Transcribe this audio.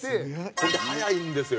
ほんで早いんですよ